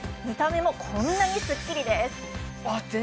見た目もこんなにすっきりですあっ